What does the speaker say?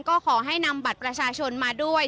ก็ขอให้นำบัตรประชาชนมาด้วย